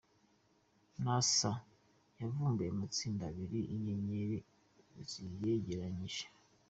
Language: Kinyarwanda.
Nasa yavumbuye amatsinda Abiri y’inyenyeri ziyegeranyije